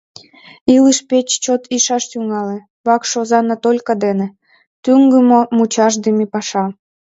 Илыш пеш чот ишаш тӱҥале: вакш оза Натолька дене — тӱҥдымӧ-мучашдыме паша.